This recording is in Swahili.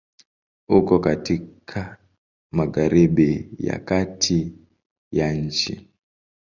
Uko katika Magharibi ya Kati ya nchi.